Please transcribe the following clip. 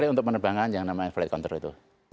untuk penerbangan yang namanya flight control itu